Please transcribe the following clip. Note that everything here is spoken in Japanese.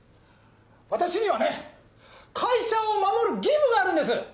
私にはね会社を守る義務があるんです！